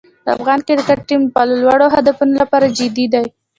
د افغان کرکټ ټیم د خپلو لوړو هدفونو لپاره جدي دی.